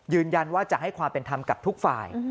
ยืนยันว่าจะให้ความเป็นธรรมกับทุกฝ่าย